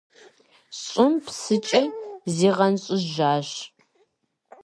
ЩӀым псыкӀэ зигъэнщӀыжащ.